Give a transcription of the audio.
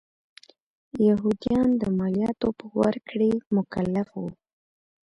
یهودیان د مالیاتو په ورکړې مکلف و.